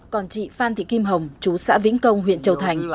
còn chị phan thị kim hồng chú xã vĩnh công huyện châu thành